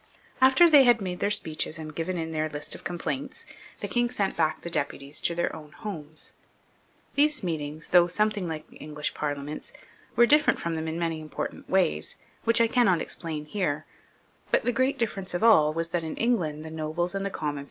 After they had made their speeches and given in their list of complaints, the king sent back the deputies to their own homes. These meetings, though something like our Parliaments, were different from them in many important ways, which I cannot explain here ; but the great differ ence of all was that in England the nobles and the common L 146 PHILIP F. KLE LONG), [CH.